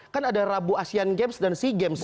kan ada rabu asean games dan sea games